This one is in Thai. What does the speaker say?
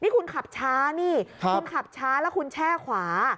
นี่คุณขับช้านี่คุณขับช้าแล้วคุณแช่ขวา